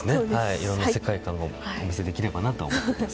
いろんな世界観をお見せできればと思います。